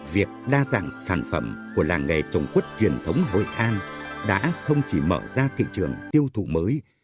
việc đa dạng sản phẩm của làng nghề trồng quất truyền thống hội an đã không chỉ mở ra thị trường tiêu thụ mới